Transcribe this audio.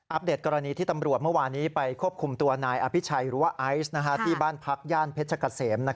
เดตกรณีที่ตำรวจเมื่อวานี้ไปควบคุมตัวนายอภิชัยหรือว่าไอซ์ที่บ้านพักย่านเพชรเกษม